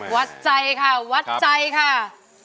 วัดใจค่ะวัดใจค่ะ